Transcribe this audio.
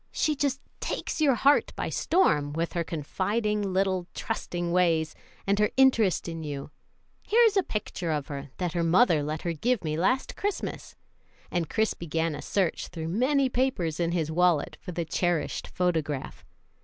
She just takes your heart by storm, with her confiding, little trusting ways and her interest in you. Here's a picture of her, that her mother let her give me last Christmas," and Chris began a search through many papers in his wallet for the cherished photograph.